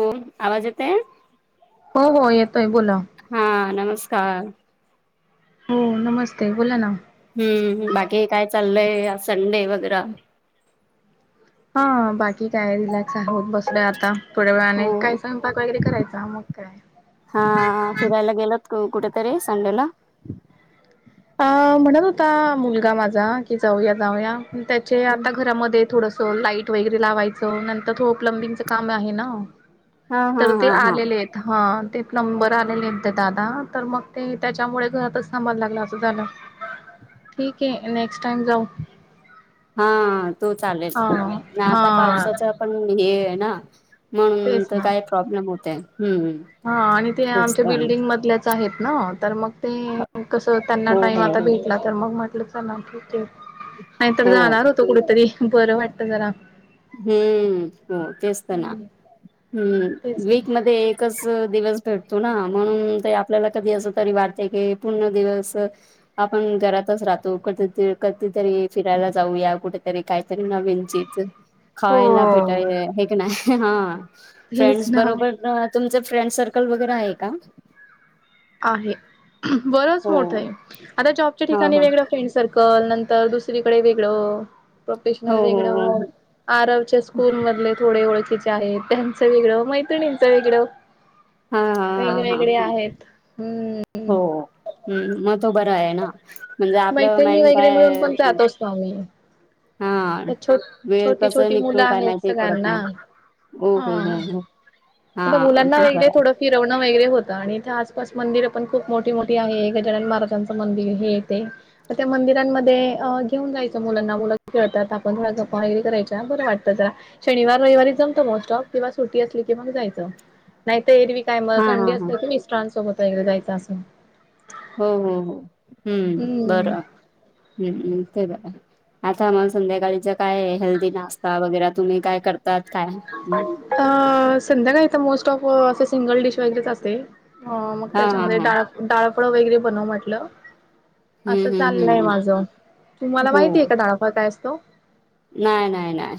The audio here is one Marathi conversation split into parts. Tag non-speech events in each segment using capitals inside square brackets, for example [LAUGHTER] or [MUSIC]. हो आवाज येतंय? हो हो येतोय बोला हा नमस्कार. हो नमस्ते बोला ना. हम्म. बाकी काय चाललंय संडे वगैरा. हा बाकी काय रिलॅक्स आहे, होत बसलोय आता. थोड्या वेळानं हो काय स्वयंपाक वगैरे करायचा मग काय. हा फिरायला गेलो, कुठेतरी संडेला. अं.. म्हणत होता मुलगा माझा कि, जाऊया जाऊया त्याचे आता घरामध्ये थोडंसं. लाईट वगैरे लावायचं. नंतर थोडं प्लंबिंगचं काम आहे ना. हा हा तर ते हा हा आलेले आहेत. हा ते प्लंबर आलेलेत दादा, तर मग ते त्याच्यामुळे घरातच थांबायला लागला. झालं ठीक आहे नेक्स्ट टाइम जाऊ. हा तोच आलेत. हा आता हा पावसाच पण हे आहे ना म्हणून तेच तर ना काय, प्रॉब्लेम होतंय हम्म. हा आणि ते तेच आमच्या तर बिल्डिंग मधल्याच आहेत ना, तर मग ते. कस त्यांना हो टाइम हो आता हो. भेटला तर, मग म्हटलं चला क ते नाहीतर हो जाणार होते. कुठंतरी बरं वाटतं जरा. हम्म.. हो तेचत ना, हम तेच ना वीक मध्ये. कस दिवस भेटतो ना म्हणून ते, आपल्याला कधी अस तरी वाढते क पूर्ण दिवस. आपण घरातच राहतो की, कधीतरी फिरायला जाऊया कुठेतरी काहीतरी नवीन चीज. खायला हो भेटायं हे की नाही? हा. तेच फ्रेंड्स ना बरोबर तुमचं फ्रेंड सर्कल वगैरे आहे का? आहे बरच हो मोठं आहे. आता जॉबच्या हा ठिकाणी हा वेगळं फ्रेंड सर्कल नंतर दुसरीकडे वेगळं. हो प्रोफेशनल हो वेगळ, हो आरवच्या स्कूल मधले थोडे ओळखीचे. आहेत त्यांचं वेगळं मैत्रिणींचं वेगळं. हा हा हा वेगवेेगळे हा आहेत. हो हम्म हंम मग तो बरा आहे ना? म्हणजे आपलं मैत्रिणी वगैरे मिळून पण [UNINTELLIGIBLE] [UNINTELLIGIBLE] हा तर छो वेळ छोटी कस छोटी मुलं निघतो काय आहेत माहिती पडत सगळ्यांना नाही. [UNINTELLIGIBLE] हा आता मुलांना तो वेळ दे बरा थोडं. फिरवणं वगैरे होतं आणि इथे आसपास मंदिर पण खूप मोठी मोठी आहे. गजानन महाराजांचं मंदिर हे इथे. तर त्या मंदिरांमध्ये अ घेऊन जायचं मुलांना मुलं खेळतात आपण थोडं गप्पा वगैरे करायच्या बरं वाटतं जरा. शनिवार रविवारी जमत मग सॉप किंवा सुट्टी असली की मग जायच नाहीतर एरवी काय मग हा हा संडे हा असलं की, मी मिस्टरांसोबत वगैरे जायचं असं हो हो हो, हम्म बरं. [UNINTELLIGIBLE] आता आम्हाला संध्याकाळीचं काय? हेल्दी नाश्ता वगैरे तुम्ही काय करतात काय? अ. संध्याकाळी इथ मोस्ट ऑफ असं सिंगल डिश वगैरेच असते. हो मग हा हा त्याच्यामध्ये हा डाळ डाळ पण वगैरे बनव म्हटलं. हम्म असं हम्म चाललंय हम्म हम्म माझं तुम्हाला हो माहितीय का [UNINTELLIGIBLE] काय असतो? नाही नाही नाही,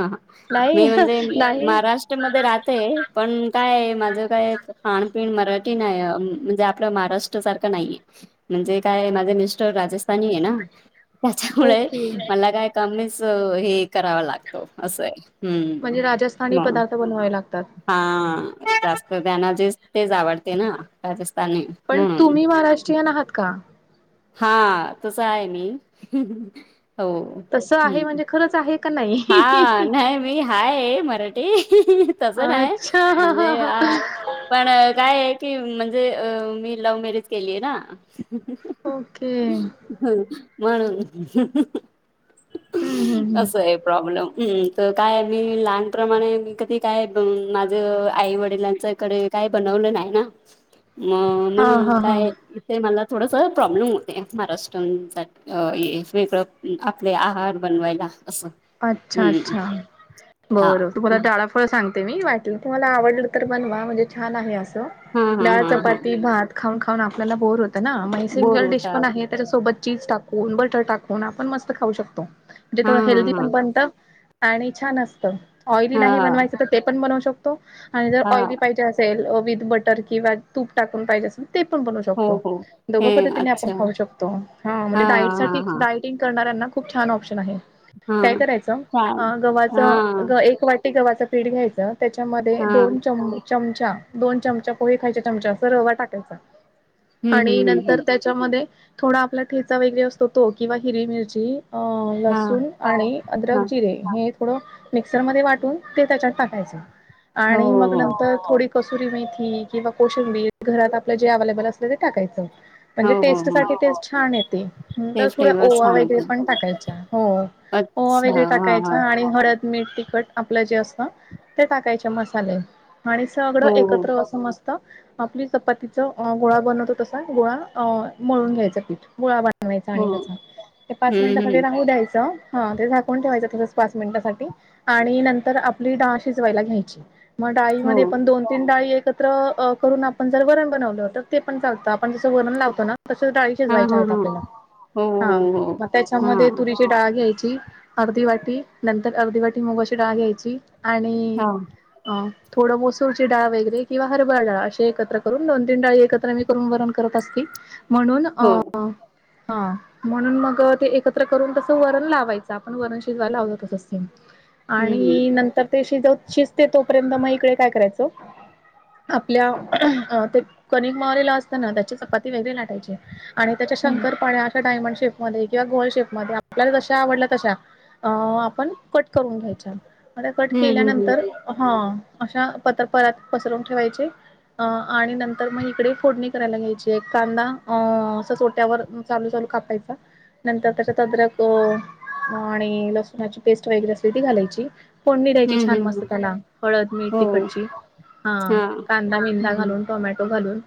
हां नाही मी म्हणजे नाही महाराष्ट्र मध्ये राहते पण, काय माझं काय खाणंपिणं मराठी नाही म्हणजे आपलं महाराष्ट्र सारखं नाही आहे म्हणजे काय माझे मिस्टर राजस्थानी आहे ना. त्याच्यामुळे ओके. मला काय कमीच हे करावा लागतो असं आहे. हम्म. म्हणजे राजस्थानी मग पदार्थ बनवावे लागतात? हा जास्त त्यांना जे तेच आवडते ना राजस्थानी. पण, म्हणून तुम्ही महाराष्ट्रीयन आहात का? हां तसं आहे मी, हो. तसं आहे हम्म. म्हणजे खरंच आहे का हा. नाही? नाही मी हाय मराठी तस नाही म्हणजे अच्छा अ पण काय आहे की म्हणजे अ मी लव्ह मॅरेज केली आहे ना. ओके ह म्हणून. हम्म हम्म हम्म. असं आहे. प्रॉब्लेम तर कायमी लहानप्रमाणे मी कधी काय. माझ आई वडिलांचं [UNINTELLIGIBLE] काही बनवलं नाही ना, म हा म्हणून हा हा काय ते मला थोडंस प्रॉब्लेम होते महाराष्ट्रांसाठी अ [UNINTELLIGIBLE] आपले आहार बनवायला असं. अच्छा हम्म अच्छा हा बर तुम्हाला डा फळं सांगते मी वाटत तुम्हाला आवडलं तर बनवा म्हणजे छान आहे असं. हा हा डाळ, हा हा चपाती, भात खाऊन खाऊन आपल्याला बोर होतं ना म हे बोर सिंगल डिश होतात पण आहेत. त्याच्यासोबत चीज टाकून, बटर टाकून आपण मस्त खाऊ शकतो म्हणजे हा थोडं हेल्दी हा [UNINTELLIGIBLE] आणि छान असतं, ऑइली हा नाही हा बनवायचं तर ते पण बनवू शकतो. आणि जर हा ऑइली पाहिजे असेल, विथ बटर किंवा तूप टाकून पाहिजे असं ते पण बनू हो शकतो. हो हे दोघं पद्धतीने आपण अच्छा खाऊ शकतो हां हा म्हणजे हा डाईटसाठी हा डाईट [UNINTELLIGIBLE] करणाऱ्यांना खूप छान ऑप्शन आहे. हा काय करायचं हा अ हा गव्हाचं ग एक वा ते गव्हाचं पीठ घ्यायचं त्याच्यामध्ये हा दोन [UNINTELLIGIBLE] चमचा दोन चमचा पोहे खायच्या चमचा असं रवा टाकायचा हम्म आणि हम्म हम्म नंतर हम्म त्या च्यामध्ये थोडा आपला ठेचा वगैरे असतो तो किंवा हिरवी मिरची अ हा लसूण आणि हा अदरक, जिरे हे थोडं मिक्सरमध्ये वाटून ते त्याच्यात टाकायचे. हो आणि हो मग हो. नंतर थोडी कस्तुरी मेथी किंवा कोशंबी घरात आपल्या जे अवेलेबल असले ते टाकायचं. हो म्हणजे हो हो टेस्टसाठी टेस्ट छान येते ते नंतर थोडा फ्लेवर ओवा छान वगैरे येते. पण टाकायचा. हो. पोहा अच्छा वगैरे हा हा टाकायचा आणि [UNINTELLIGIBLE] मीठ, तिखट आपलं जे असतं ते टाकायचे मसाले आणि सगळं हो हो एकत्र असं मस्त च आपली चपातीच अ गोळा बनवतो तसा गोळा अ मळून घ्यायचा पीठ गोळा सांगायच हो आणि त्या ते पाच हम्म मिनिटासाठी हम्म राहू द्यायचं. हा ते झाकून ठेवायचं तसंच पाच मिनटासाठी आणि नंतर आपली डाळ शिजवायला घ्यायची. मग, डाळी हो मध्ये पण दोन तीन डाळी एकत्र अ करून आपण जर वरण बनवलं, तर ते पण चालतं आपण जसं वरण लावतो ना तस डाळी हा शिजवायचे हा आहेत हा आपल्याला हो हा हो हो मग हा त्याच्यामध्ये तुरीची डाळ घ्यायची अर्धी वाटी नंतर अर्धी वाटी मुगाची डाळ घ्यायची. आणि हा अ थोडं मसूरची डाळ वगैरे किंवा हरभरा डाळ अशी एकत्र करून दोन तीन डाळी एकत्र मी करून वरण करत असती म्हणून अ हो हा म्हणून मग ते एकत्र करून तसं वरण लावायचं. चा आपण वरण शिजवायला तसच ते हम्म आणि नंतर त्याशी शिज शिजते तोपर्यंत मग इकडे काय करायचं आपल्या ते कणिक मळलेला असत ना त्याची चपाती वेगळी लाटायची आणि त्याच्या हम्म शंकरपाळ्या अशा डायमंड शेफमध्ये किंवा गोल शेपमध्ये आपल्याला जश्या आवडल्यात. तशा अ आपण कट करून घ्यायच्या मग कट हम्म केल्यानंतर हा अशा पत्र परात पसरवून ठेवायचे. अ आणि नंतर मग इकडे फोडणी करायला घ्यायची एक कांदा अ असंच ओट्यावर चालू चालू कापायचा नंतर त्याच्यात अद्रक ह आणि लसणाची पेस्ट वगैरे असते ती घालायची. फोडणी द्यायची हम्म हम्म छान हम्म मस्त हम्म त्याला हळद मीठ हो तिखटची हा कांदा विंदा हम्म घालून. टोमॅटो घालून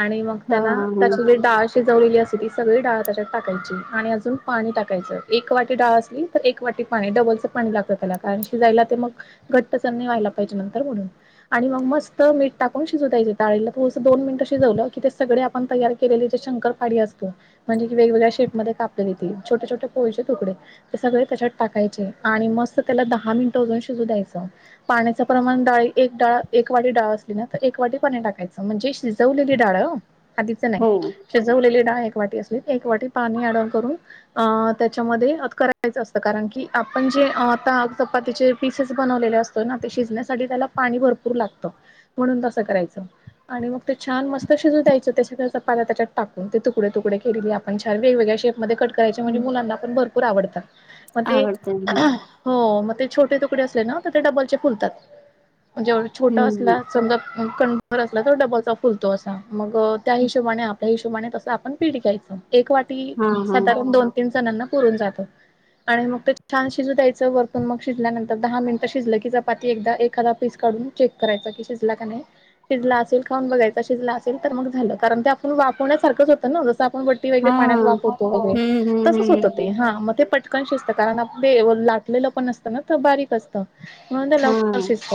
आणि मग हा त्यांना हो त्याचे जे डाळ ली अस त सगळी डाळ त्याच्यात टाकायची आणि अजून पाणी टाकायच एक वा डाळ असली तर एक वाटी पाणी डबलच पाणी लागत त्याला कारण शिजायला ते मग घट्टसर नाही व्हायला पाहिजे नंतर म्हणून. आणि मग मस्त मीठ टाकून शिजू द्यायचं डाळीला थोडसं दोन मिनिटं शिजवलं की ते सगळे आपण तयार केलेले जे शंकर काडी असतो म्हणजे कीे वेगवेगळ्या शेप मध्ये कापलेली छोटे छोटे पोळीचे तुकडे. ते सगळे त्याच्यात टाकायचे आणि मस्त त्याला दहा मिनटं अजून शिजू द्यायचं. पाण्याच प्रमाण डाळी एक डाळ एक वाटी डाळ असली ना तर एक वाटी पाणी टाकायचं म्हणजे शिजवलेली डाळ ह. आधीच नाही. हो शिजवलेली डाळ एक वाटी असली, एक वाटी पाणी ॲड ऑन करून अ त्याच्यामध्ये अग करायचं असतं कारण की आपण जे आता चपातीचे पिसेस बनवलेले असतो ना ते शिजण्यासाठी त्याला पाणी भरपूर लागत म्हणून तसं करायचं. आणि मग ते छान मस्त शिजू द्यायचं त्याच्या त्याच्यात टाकून ते तुकडे तुकडे केलेले आपण पण छान वेगवेगळ्या शेप मध्ये कट करायचे म्हणजे हम्म मुलांना पण भरपूर आवडतात मग ते आवडत हो मग ते छोटे तुकडे असले ना तर ते डबलचे फुलतात म्हणजे जेवढ छोटा हम्म हम्म असला समजा कणभर असला तर डबालचा फुलतो असा मग त्या हिशोबाने आपण त्या हिशोबाने तसं आपण पीठ घ्यायचं एक वाटी हा हा साधारण दोन तीन जणांना पुरून जातो. आणि मग ते छान शिजू द्यायचं वरतून मग शिजल्यानंतर दहा मिनिटं शिजलं की चपाती एकदा एखादा पीस काढून चेक करायचा की शिजला का नाही. शिजला असेल खाऊन बघायचा शिजला असेल तर मग झालं कारण ते आपण वाफवण्यासारखंच होतं ना जसं आप कोण बट्टी वगैरे हा पाण्यात वापरतो वगैरे, हम्म तसच हम्म हम्म होतं. ते हम्म हा मग ते पटकन शिजत असतं कारण आपण ते लाटलेलं पण असतं ना तर बारीक असतं. म्हणून त्या हा लवकर शिजत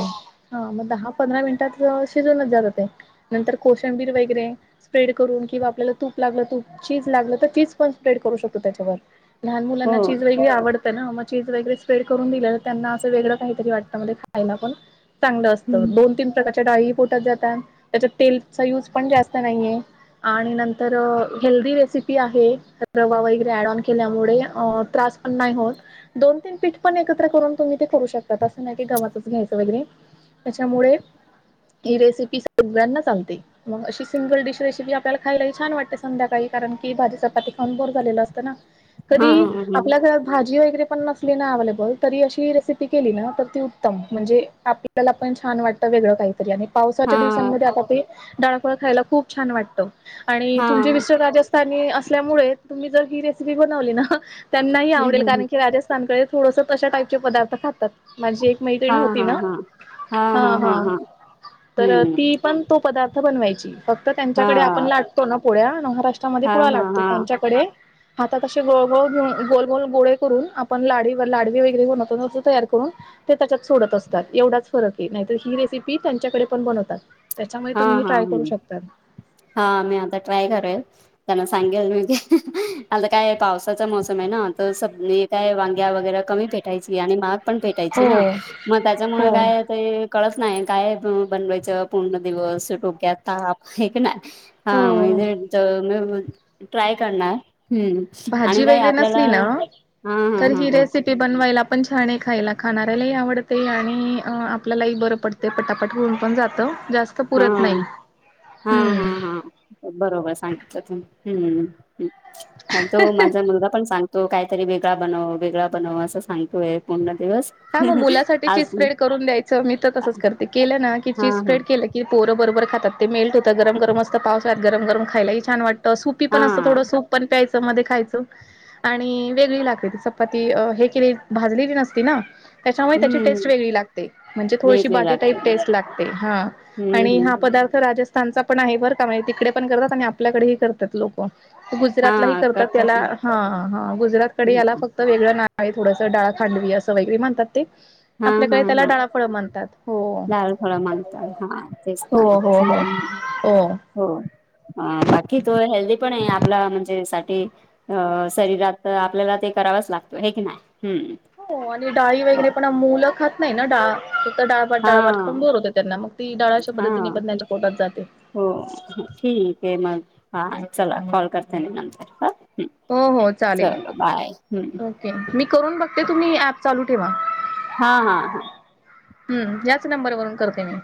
हा मग दहा पंधरा मिनिटात शिजूनच जात ते. नंतर कोशंबीर वगैरे स्प्रेड करून किंवा आपल्याला तूप लागलं तू चीज लागलं तर चीज पण स्प्रेड करू शकतो त्याच्यावर. लहान मुलांना हो चीज वगैरे आवडतं चना मग चीज वगैरे स्प्रेड करून दिलेलं त्यांना असं वेगळं काहीतरी वाटतं मग खायला पण. चांगलं असतं हम्म दोन तीन प्रकारच्या डाळी पोटत जातात त्याच्यात तेलचा युज पण जास्त नाहीये. आणि नंतर हेल्दी रेसिपी आहे रवा वगैरे ऍड ऑन केल्यामुळे वढे त्रास पण नाही होत. दोन तीन पीठ पण एकत्र करून तुम्ही ते करू शकतात, असं नाही की गव्हाचंच घ्यायचं वगैरे. त्याच्यामुळे ही रेसिपी सगळ्यांना सांगते. मग अशी सिंगल डिश रेसिपी आपल्याला खायलाही छान वाटते संध्याकाळी कारण की भाजी चपाती खऊन बोर झालेलं असतं ना. हा कधी हम्म आपल्या घरात, भाजी वगैरे पण नसते. अव्हेलेबल तरी अशी रेसिपी केली ना, तर ती उत्तम म्हणजे आपल्याला पण छान वाट आता वेगळं, काहीतरी आणि. हा पावसाच्या दिवसांमध्ये आता ते, डाळफळ खायला खूप छान वाटतं आणि हा तुमचे हम्म [UNINTELLIGIBLE] असल्यामुळे तुम्ही जर ही रेसिपी बनवली ना, त्यांना ही आवडेल हम्म कारण की राजस्था [UNINTELLIGIBLE] थोडंसं तसं कशा टाईचे पदार्थ खातात. माझी एक हा मैत्रिणी होती हा ना. हा हा हा. तर हम्म ती पण तो पदार्थ बनवायची, फक्त हा त्यांच्याकडे आपण लाट तो ना पोळ्या महाराष्ट्रामध्ये, हा हा पुळा हा लाटतो हा त्यांच्याकडे. आता कसे गोळ गोळ घेऊन, गोल गोल गोळे करून आपण लाडी व लाडवी वगैरे बवनतो तयार करून. ते त्याच्यात सोडत असतात एवढाच फरक आहे, नाहीत ही रेसिपी त्यांच्याकडे पण बनवतात. त्याच्यामुळे हा तुम्ही हा ट्राय करू हं शकता हा. मी आता ट्राय करेल. त्यांना सांगेल मी की आता काय, पावसाचा मोसम आहे ना तर स काय वांग्या वगैरे कमी, भेटायची आणि मग. पण भेटायची हो ना मग, त्याच्यामुळे हो काय ते कळत नाही काय बनवायच पूर्ण. दिवस टोक्या ताप हे की, हा हो म्हणजे. तर मग, ट्राय करणार. भाजी आणि काय वगैरे आपल्याला नसली ना, हा हा तर हा ही हा रेसिपी ते बनवायला पण छान आहे खायला. खाणाऱ्यालाही आवडते आणि, आपल्यालाही बरं पडत. ते पटापट होऊन पण जातं, जास्त पुरत हा नाही हा हा हम्म. हा बरोबर सांगितलं हम्म. तो माझा मुलगा पण सांग तो. काहीतरी वेगळा बनव, वेगळा बनव असं सांगतोय पूर्ण दिवस. हा. मग मुलासाठी आज चीज स्प्रेड करून द्यायचं. मी तर तसंच करते. केलं ना की हा चीज हा स्प्रेड केलं. की पोर बरोबर खातात, तेे मेल्ट होतं, गरमगरम असतं पावसाळ्यात गरम गरम खायलाही छान वाटतं. सुपी पण असत, हा थोडं सूप पण प्यायचं. मध्ये खायच आणि वेगळी लागती, चपाती हे केली भाजलेली नसती ना. तेच्यामुळे त्याची टेस्ट हम्म वेगळी लागते, म्हणजे थोडीशी वेगळे बाटी टाईप लागते टेस्ट लागते हा. हम्म आणि हा हम्म पदार्थ राजस्थानचा पण आहे बरं का, म्हणजे तिकडे पण करतात आणि आपल्याकडेही करतात लोक. गुजरातला ही हा करतात त्याला, ना हा हा गुजरातकडे याला ह फक्त. वेगळं ना आहे थोडंसं डाळ खांडवी असं, वगैरे म्हणतात ते. हा हा आपल्याकडे त्याला हा डाळफळ म्हणतात, हो लाल फळ मागतात हा तेच हो का हो हो. हो. ‌ हो. बाकी तो हेल्दी पण, आहे आपला म्हणजे साठी. अ शरीरात आपल्याला ते, करावंच लागतं हे की नाही हम्. हो. आणि डाळी वगैरे पण, मुलं खात नाही ना डाळ फक्त डाळ. हा [UNINTELLIGIBLE] त्यांना मग ती डाळ आशा पद्धतीने हा पण त्यांच्या पोटात जाते. हो ठीक आहे. मग, हा. चला कॉल करते. मी नंतर ह. हो. हो. चालेल. ओके मी करून बघते. तुम्ही ऍप चालू ठेवा. हा. हा. हम्म. याच नंबरवरून करते मी.